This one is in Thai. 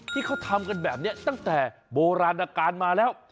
ที่เขาทำกันแบบนี้ตั้งแต่โบราณการมาแล้ว